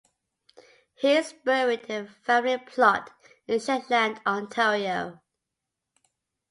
He is buried in a family plot in Shetland, Ontario.